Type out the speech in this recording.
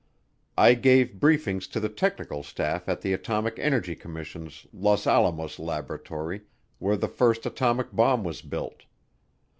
I gave briefings to the technical staff at the Atomic Energy Commission's Los Alamos laboratory, where the first atomic bomb was built.